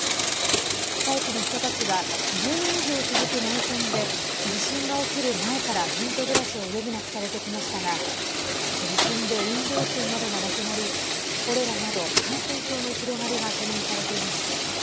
被災地の人たちは１０年以上続く内戦で地震が起きる前からテント暮らしを余儀なくされてきましたが地震で飲料水などがなくなりコレラなど、感染症の広がりが懸念されています。